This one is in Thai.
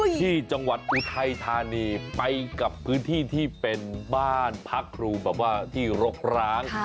ที่จังหวัดอุทัยธานีไปกับพื้นที่ที่เป็นบ้านพักครูแบบว่าที่รกร้าง